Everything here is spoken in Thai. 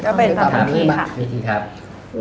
ก็เป็นตาของพี่ค่ะ